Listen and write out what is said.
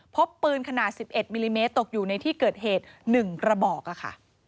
พบปืนขนาด๑๑มิลลิเมตรตกอยู่ในที่เกิดเหตุ๑กระบอกค่ะ